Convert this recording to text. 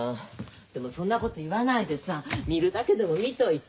でもそんなこと言わないでさ見るだけでも見といて。